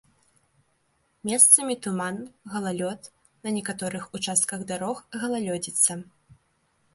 Месцамі туман, галалёд, на некаторых участках дарог галалёдзіца.